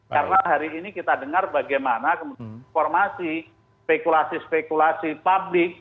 karena hari ini kita dengar bagaimana informasi spekulasi spekulasi publik